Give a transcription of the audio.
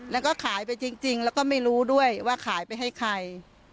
แล้วก็ขายไปจริงแล้วก็ไม่รู้ด้วยว่าขายไปให้ใคร